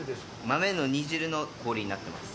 豆の煮汁の氷になってます。